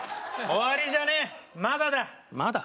終わりじゃねえまだだまだ？